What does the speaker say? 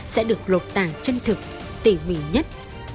sẽ được lột tàng chân thực tỉ mỉ nhất